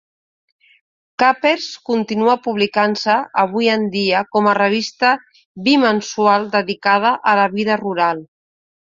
"Capper's" continua publicant-se avui en dia com a revista bimensual dedicada a la vida rural.